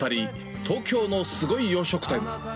東京のスゴい洋食店。